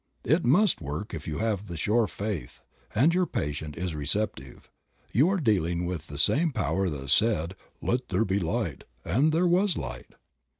It must work, if you have the sure faith, and your patient is receptive. You are dealing with the same power that said, "Let there be light" and there was light.